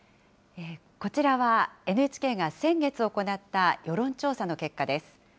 こちらは、ＮＨＫが先月行った世論調査の結果です。